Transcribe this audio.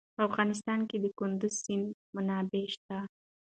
په افغانستان کې د کندز سیند منابع شته.